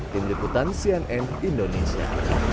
tim liputan cnn indonesia